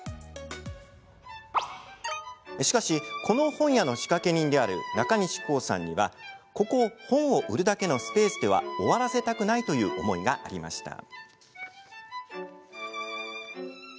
しかし、この本屋の仕掛け人である中西功さんにはここを本を売るだけのスペースでは終わらせたくないという思いがありました。